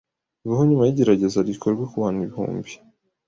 bibaho nyuma y'igerageza rikorwa ku bantu ibihumbi.